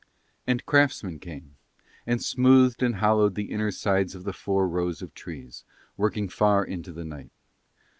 And craftsmen came, and smoothed and hollowed the inner sides of the four rows of trees, working far into the night.